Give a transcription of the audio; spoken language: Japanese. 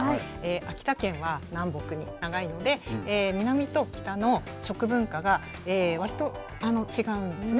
秋田県は南北に長いので、南と北の食文化がわりと違うんですね。